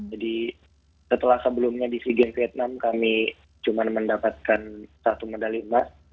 jadi setelah sebelumnya di sea games vietnam kami cuman mendapatkan satu medali emas